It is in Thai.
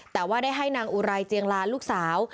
แต่ว่าได้ให้นางอุไรเจียงลาลูกสาว